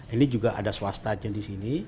ini juga ada swastanya di sini